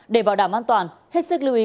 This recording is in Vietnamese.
để bảo đảm an toàn hết sức lưu ý